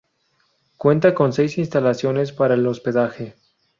Cuenta con seis instalaciones para el hospedaje.